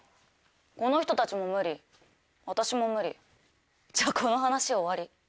この人たちも無理私も無理じゃあこの話終わり。